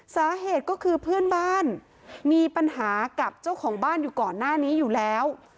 สาเหตุก็คือเพื่อนบ้านมีปัญหากับเจ้าของบ้านอยู่ก่อนหน้านี้อยู่แล้ว